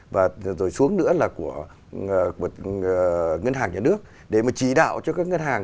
và rồi xuống nữa là của ngân hàng nhà nước để mà chỉ đạo cho các ngân hàng